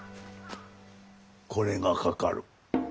これがかかる。